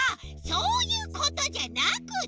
そういうことじゃなくって！